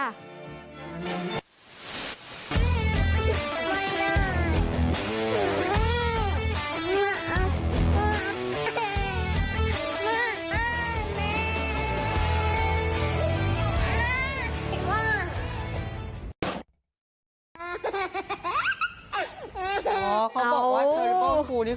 โหเขาบอกว่า